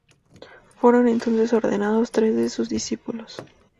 Fueron entonces ordenados tres de sus discípulos.